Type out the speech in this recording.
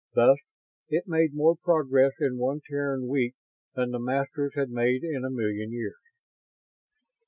Thus it made more progress in one Terran week than the Masters had made in a million years.